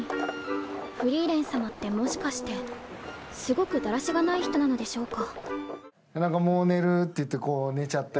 フリーレンさまってもしかしてすごくだらしがない人なのでしょうか？